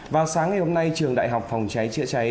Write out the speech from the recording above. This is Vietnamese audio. vào sáng ngày hôm nay trường đại học phòng cháy chữa cháy